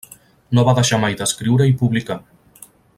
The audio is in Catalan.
No va deixar mai d'escriure i publicar.